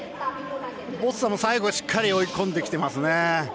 ボサも最後しっかり追い込んできてますね。